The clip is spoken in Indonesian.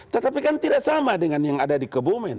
tetapi kan tidak sama dengan yang ada di kebumen